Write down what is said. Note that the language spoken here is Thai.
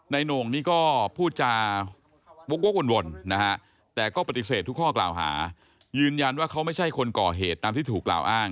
โหน่งนี่ก็พูดจาวกวนนะฮะแต่ก็ปฏิเสธทุกข้อกล่าวหายืนยันว่าเขาไม่ใช่คนก่อเหตุตามที่ถูกกล่าวอ้าง